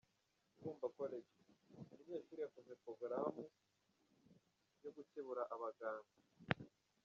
Tumba College: Umunyeshuri yakoze pogaramu yo gukebura abaganga.